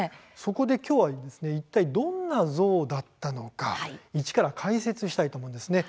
そこできょうはいったいどんなゾウだったのか一から解説したいんです。